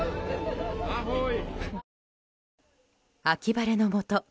秋晴れのもと